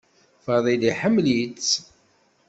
Fadil iḥemmel-itt.